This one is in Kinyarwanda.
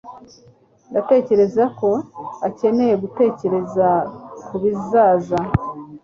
ndatekereza ko ukeneye gutekereza kubizaza